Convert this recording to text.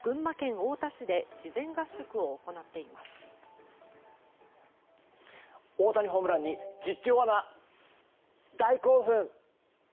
大谷ホームランに実況アナが大興奮。